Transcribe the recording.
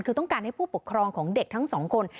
คือต้องการให้ผู้ปกครองของเด็กทั้งสองคน